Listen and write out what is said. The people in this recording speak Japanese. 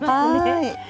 はい。